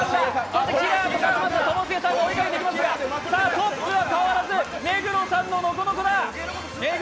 トップは変わらず、目黒さんのノコノコだ。